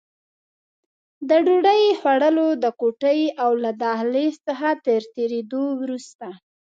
د ډوډۍ خوړلو د کوټې او له دهلېز څخه تر تېرېدو وروسته.